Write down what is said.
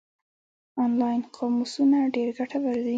آنلاین قاموسونه ډېر ګټور دي.